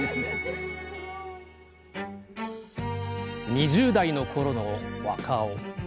２０代のころの若男。